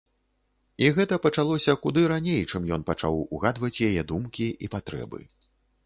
І гэта пачалося куды раней, чым ён пачаў угадваць яе думкі і патрэбы.